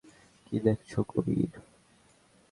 কী দেখছ, কবির?